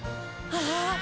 ああ！